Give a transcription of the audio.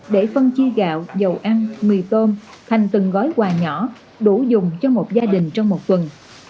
để phân chia gạo dầu ăn mì tôm thành từng gói quà nhỏ đủ dùng cho một gia đình trong một phần